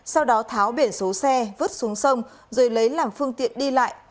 sau đó tháo biển số xe vứt xuống sông rồi lấy làm phương tiện đi lại hoặc bán lấy tiền